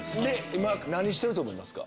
今何してると思いますか？